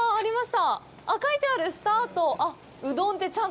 書いてある「スタート」